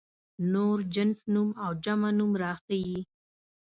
نور جنس نوم او جمع نوم راښيي.